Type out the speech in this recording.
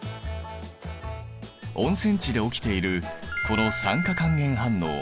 温泉地で起きているこの酸化還元反応。